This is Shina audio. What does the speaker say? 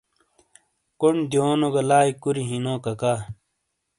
کونڈ دِیونو گہ لائی کُوری ہِیں نو ککا۔